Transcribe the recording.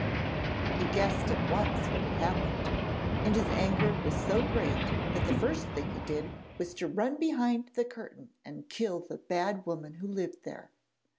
He guessed at once what had happened, and his anger was so great that the first thing he did was to run behind the curtain and kill the bad woman who lived there.